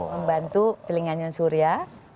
membantu telinganya surya